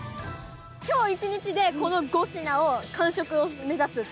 今日一日でこの５品を完食を目指すという。